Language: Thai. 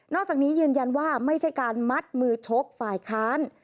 อกจากนี้ยืนยันว่าไม่ใช่การมัดมือชกฝ่ายค้าน